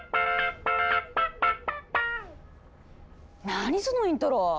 何そのイントロ！